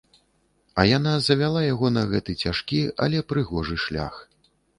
А яна завяла яго на гэты цяжкі, але прыгожы шлях.